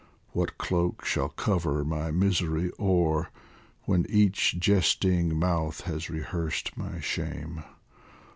What cloak shall cover my misery o'er When each jesting mouth has rehearsed my shame